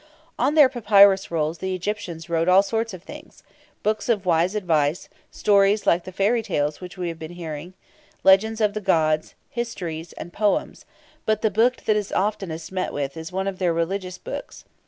On their papyrus rolls the Egyptians wrote all sorts of things books of wise advice, stories like the fairy tales which we have been hearing, legends of the gods, histories, and poems; but the book that is oftenest met with is one of their religious books.